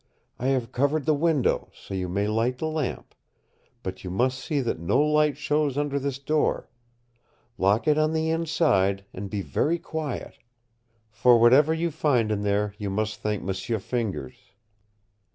I have covered the window, so you may light the lamp. But you must see that no light shows under this door. Lock it on the inside, and be very quiet. For whatever you find in there you must thank M'sieu Fingers."